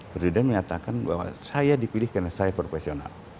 presiden menyatakan bahwa saya dipilih karena saya profesional